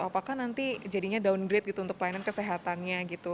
apakah nanti jadinya downgrade gitu untuk pelayanan kesehatannya gitu